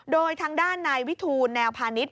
โดยทางด้านนายวิทูลแนวพาณิชย